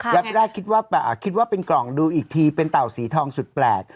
แรกคิดว่าคิดว่าเป็นกล่องดูอีกทีเป็นเต่าสีทองสุดแปลก